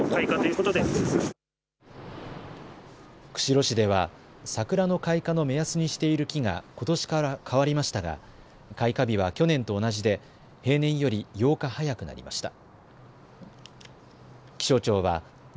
釧路市では桜の開花の目安にしている木がことしから替わりましたが開花日は去年と同じで平年より８日早くなりました。